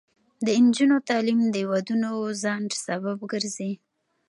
د نجونو تعلیم د ودونو ځنډ سبب ګرځي.